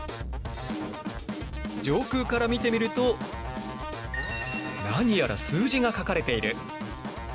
上空から見てみると何やら数字が書かれている。